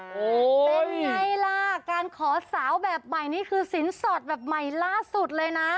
เป็นไงล่ะการขอสาวแบบใหม่นี่คือสินสอดแบบใหม่ล่าสุดเลยนะ